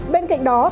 bên cạnh đó